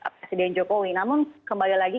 presiden jokowi namun kembali lagi